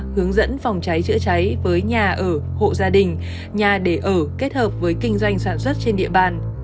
hướng dẫn phòng cháy chữa cháy với nhà ở hộ gia đình nhà để ở kết hợp với kinh doanh sản xuất trên địa bàn